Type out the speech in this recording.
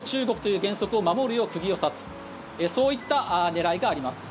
一つの中国という原則を守るよう釘を刺すそういった狙いがあります。